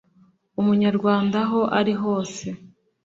umunyarwanda aho ari hose